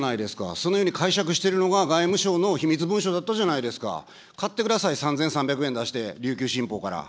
そのように解釈してるのが、外務省の秘密文書だったじゃないですか、買ってください、３３００円出して、琉球新報から。